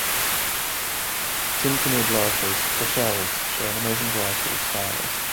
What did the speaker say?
Tintinnid loricas or shells show an amazing variety of styles.